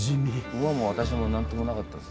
馬も私も何ともなかったです。